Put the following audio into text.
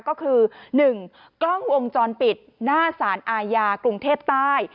ก็คือ๑กล้องวงจรปิดหน้าสารอาญากรุงเทพใต้